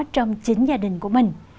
trong chính gia đình của mình